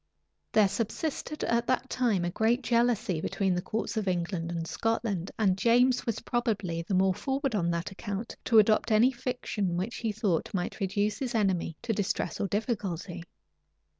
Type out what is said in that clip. } There subsisted at that time a great jealousy between the courts of England and Scotland; and James was probably the more forward on that account to adopt any fiction which he thought might reduce his enemy to distress or difficulty.